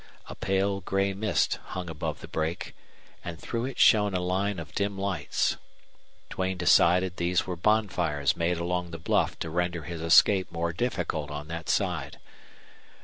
A pale gray mist hung above the brake, and through it shone a line of dim lights. Duane decided these were bonfires made along the bluff to render his escape more difficult on that side.